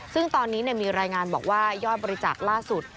ซึ่งตอนนี้มีรายงานบอกว่ายอดบริจาคล่าสุด